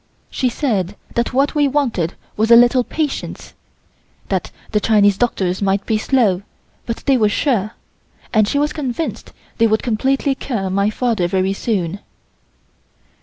She said that what we wanted was a little patience, that the Chinese doctors might be slow, but they were sure, and she was convinced they would completely cure my father very soon.